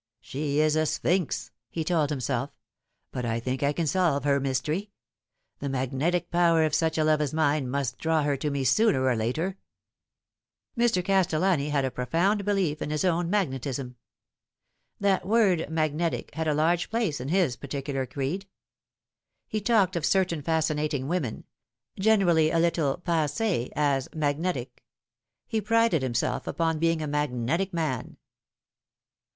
" She is a sphinx," he told himself ;" but I think I can solve her mystery. The magnetic power of such a love as mine must draw her to me sooner or later." Mr. Castellani had a profound belief in his own magnetism. That word magnetic had a large place in his particular creed. He talked of certain fascinating women generally a little passee as " magnetic." He prided himself upon being a magnetic man.